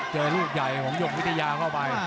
เจอลูกใหญ่ของหยกวิทยาเข้าไป